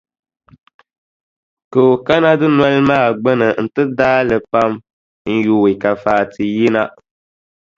Ka o kana dunoli maa gbuni nti daai li pam n-yooi ka Fati yina.